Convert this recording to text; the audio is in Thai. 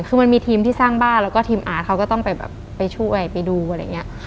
คือมันมีทีมที่สร้างบ้านแล้วก็ทีมอาร์ตเขาก็ต้องไปแบบไปช่วยไปดูอะไรอย่างนี้